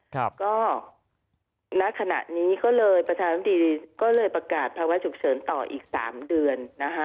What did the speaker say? ก็ณขณะนี้ประธานชุดีก็เลยประกาศภาวะฉุกเฉินต่ออีก๓เดือน